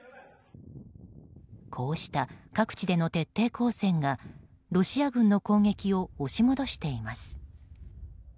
こうした各地での徹底抗戦がロシア軍の攻撃を押し戻しています。